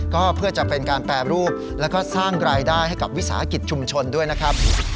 ก็เพื่อจะเป็นการแปรรูปแล้วก็สร้างรายได้ให้กับวิสาหกิจชุมชนด้วยนะครับ